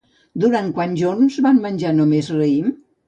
Durant quants jorns van menjar només raïm?